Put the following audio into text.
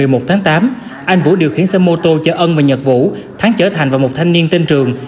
nguyễn quốc thắng vũ điều khiển xe mô tô chở ân và nhật vũ thắng chở thành và một thanh niên tên trường